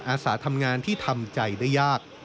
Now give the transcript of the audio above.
อาสาทำงานที่ทำใจได้ยาก